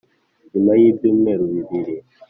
nyuma y'ibyumweru bibiri